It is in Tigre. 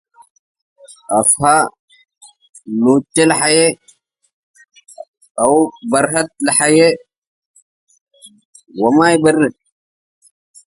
አፍሀ ሉቺ ለሐዬ ወማይ ብረህ